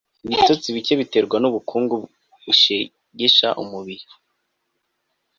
ibitotsi bike biterwa n'ubukungu bushegesha umubiri